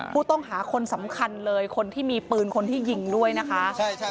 ผู้ต้องหาคนสำคัญเลยคนที่มีปืนคนที่ยิงด้วยนะคะ